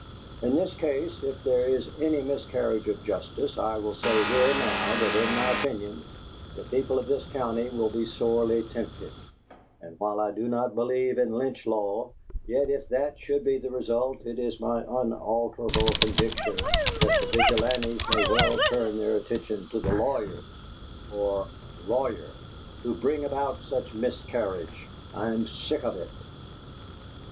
In this case, if there is any miscarriage of justice, I will say here and now that in my opinion the people of this county will be sorely tempted; and while I do not believe in lynch law, yet if that should be the result it is my unalterable conviction that the vigilantes may well turn their attention to the lawyers OR LAWYER who bring about such miscarriage. I am sick of it.'"